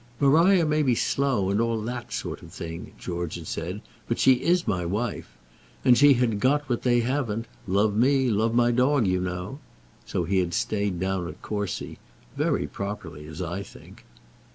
"Maria may be slow, and all that sort of thing," George had said; "but she is my wife. And she had got what they haven't. Love me, love my dog, you know." So he had stayed down at Courcy, very properly as I think.